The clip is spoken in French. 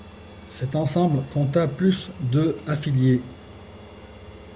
Cet ensemble compta plus de affiliées.